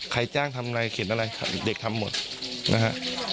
ใครจ้างทำอะไรเขียนอะไรเด็กทำหมดนะฮะ